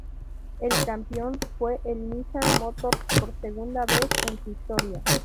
El campeón fue el Nissan Motors, por segunda vez en su historia.